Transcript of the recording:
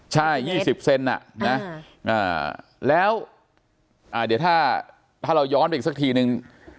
ใช่ยี่สิบเซนต์อ่ะอ่าอ่าแล้วอ่าเดี๋ยวถ้าถ้าเราย้อนอีกสักทีหนึ่ง